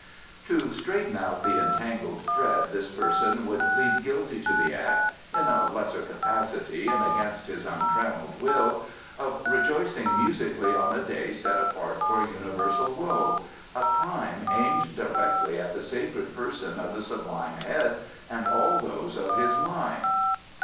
"To straighten out the entangled thread this person would plead guilty to the act in a lesser capacity and against his untrammelled will of rejoicing musically on a day set apart for universal woe: a crime aimed directly at the sacred person of the Sublime Head and all those of his Line."